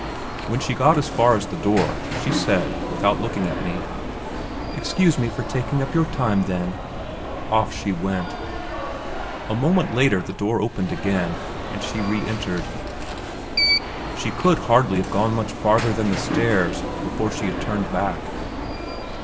When she got as far as the door, she said, without looking at me: "Excuse me for taking up your time then." Off she went. A moment after, the door opened again, and she re entered. She could hardly have gone much farther than the stairs before she had turned back.